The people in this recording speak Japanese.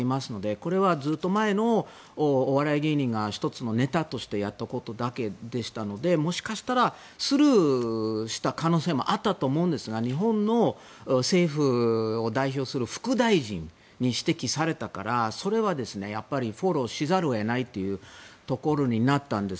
これは、ずっと前のお笑い芸人が１つのネタとしてやったことなのでもしかしたらスルーした可能性もあったと思いますが日本の政府を代表する副大臣に指摘されたから、それはフォローせざるを得ないというところになったんです。